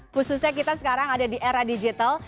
khususnya kita sekarang ada di era digital